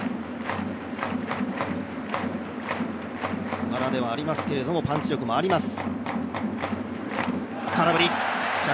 小柄ではありますけどパンチ力はあります。